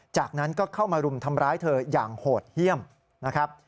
จากนั้นก็เข้ามารุมทำร้ายเธออย่างโหดเยี่ยมนะครับ